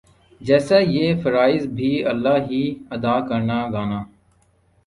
جَیسا یِہ کا فرائض بھی اللہ ہی ادا کرنا گانا